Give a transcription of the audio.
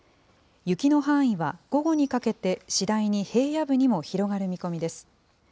雪の範囲は、午後にかけて次第に平野部にも広がる見込みです。